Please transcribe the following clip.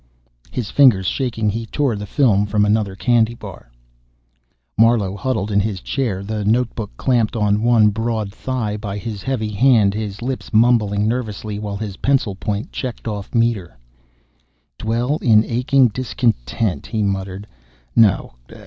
His fingers shaking, he tore the film from another candy bar. Marlowe huddled in his chair, the notebook clamped on one broad thigh by his heavy hand, his lips mumbling nervously while his pencil point checked off meter. "Dwell in aching discontent," he muttered. "No.